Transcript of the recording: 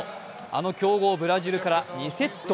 あの強豪ブラジルから２セット